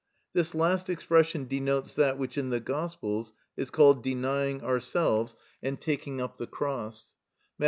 This last expression denotes that which in the Gospels is called denying ourselves and taking up the cross (Matt.